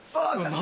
何？